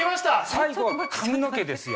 最後はかみのけですよ